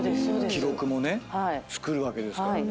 記録もね作るわけですからね。